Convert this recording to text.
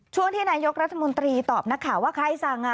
ช่วงที่นายกรัฐมนตรีตอบนักข่าวว่าใครสั่ง